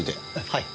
はい。